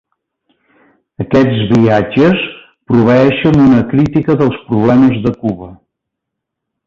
Aquests viatges proveeixen una crítica dels problemes de Cuba.